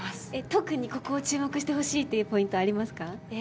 特にここを注目してほしいというポイントはありますか？